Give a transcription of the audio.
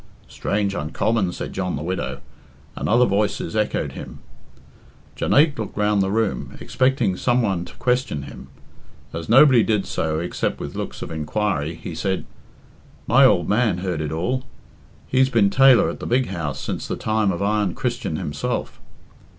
"Strange uncommon," said John the Widow, and other voices echoed him. Jonaique looked round the room, expecting some one to question him. As nobody did so, except with looks of inquiry, he said, "My ould man heard it all. He's been tailor at the big house since the time of Iron Christian himself."